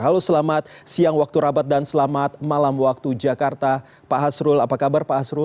halo selamat siang waktu rabat dan selamat malam waktu jakarta pak hasrul apa kabar pak hasrul